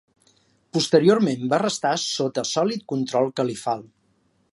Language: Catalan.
Posteriorment va restar sota sòlid control califal.